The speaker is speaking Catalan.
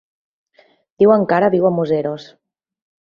Diuen que ara viu a Museros.